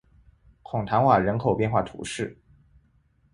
孔坦瓦人口变化图示